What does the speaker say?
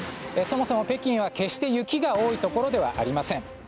そもそも、北京は決して雪が多いところではありません。